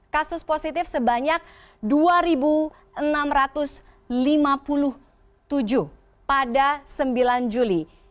kasus positif sebanyak dua enam ratus lima puluh tujuh pada sembilan juli